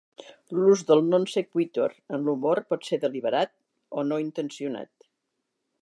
L'ús de 'non sequitur' en humor pot ser deliberat o no intencional.